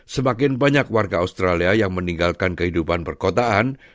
semakin banyak warga australia yang meninggalkan kehidupan perkotaan